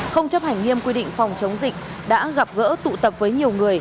không chấp hành nghiêm quy định phòng chống dịch đã gặp gỡ tụ tập với nhiều người